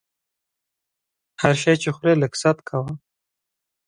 هر شی چې خورې لږ ست کوه!